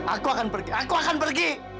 aku akan pergi aku akan pergi